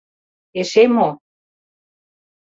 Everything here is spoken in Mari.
— Эше мо?